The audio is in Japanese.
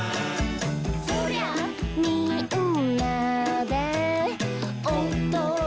「そりゃみんなでおどるでしょ！」